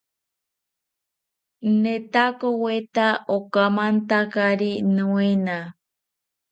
Netakoweta okamantakari noena